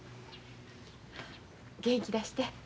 元気出して。